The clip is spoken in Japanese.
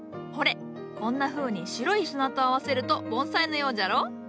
ほれこんなふうに白い砂と合わせると盆栽のようじゃろう？